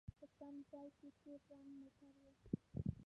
په تم ځای کې تور رنګ موټر و.